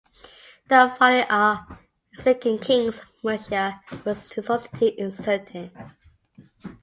The following are Iclinga kings of Mercia whose historicity is certain.